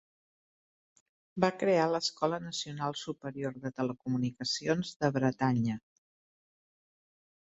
Va crear l'Escola nacional Superior de Telecomunicacions de Bretanya.